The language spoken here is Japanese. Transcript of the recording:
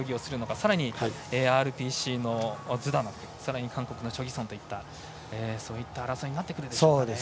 さらに、ＲＰＣのズダノフさらに韓国のチョ・ギソンといったそういった争いになってくるでしょうか。